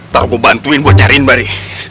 kalau gua bantuin gua cariin bari